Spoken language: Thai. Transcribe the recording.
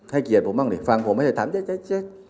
เกียรติผมบ้างดิฟังผมไม่ได้ถามเจ๊